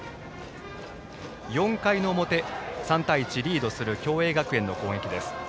４回の表、３対１とリードする共栄学園の攻撃。